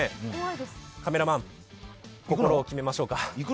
カメラマン、心を決めましょうか。